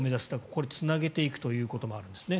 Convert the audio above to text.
これ、つなげていくということもあるんですね。